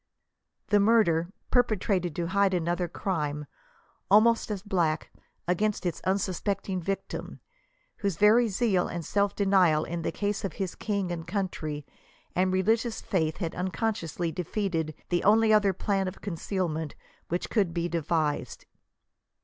The murder ;— perpe trated to hide another crime, almost as black, against its un suspecting victim, whose very zeal and self denial in the cause of his king and country and religious faith had unconsciously defeated the only other plan of concealment which could be devised.